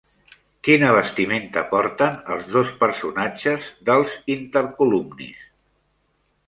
Quina vestimenta porten els dos personatges dels intercolumnis?